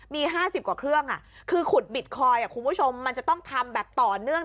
มี๕๐กว่าเครื่องคือขุดบิตคอยน์คุณผู้ชมมันจะต้องทำแบบต่อเนื่อง